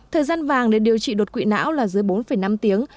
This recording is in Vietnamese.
thời gian vàng để điều trị đột quỵ não là dưới bốn năm tiếng